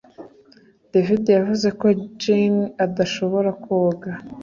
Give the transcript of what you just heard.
David yavuze ko Jane adashobora koga